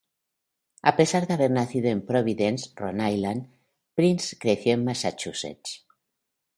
A pesar de haber nacido en Providence, Rhode Island, Price creció en Massachusetts.